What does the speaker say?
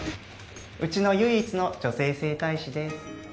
うちの唯一の女性整体師です。